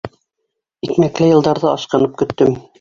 Икмәкле йылдарҙы ашҡынып көттөм.